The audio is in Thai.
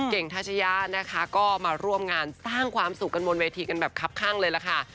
ทัชยะนะคะก็มาร่วมงานสร้างความสุขกันบนเวทีกันแบบคับข้างเลยล่ะค่ะ